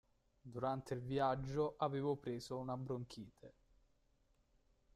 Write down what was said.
Durante il viaggio avevo preso una bronchite.